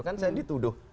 kan saya dituduh